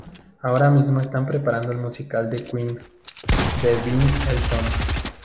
Ahora mismo están preparando el musical de Queen, de Ben Elton.